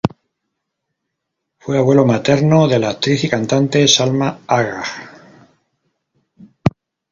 Fue abuelo materno de la actriz y cantante Salma Agha.